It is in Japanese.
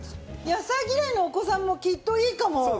野菜嫌いのお子さんもきっといいかも！